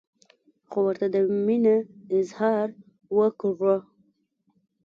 خو ورته دا مینه اظهار وکړه.